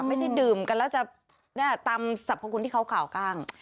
ไม่ได้ดื่มกันแล้วจะตามสรรพคุณที่เขาข่าวกั้ง